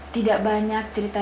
tidak banyak cerita